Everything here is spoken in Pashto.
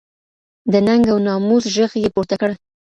د ننګ او ناموس ږغ یې پورته کړ